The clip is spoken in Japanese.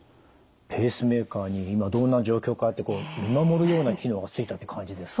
ペースメーカーに今どんな状況かって見守るような機能がついたって感じですか？